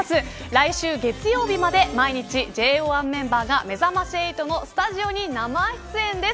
来週月曜日まで毎日、ＪＯ１メンバーがめざまし８のスタジオに生出演です。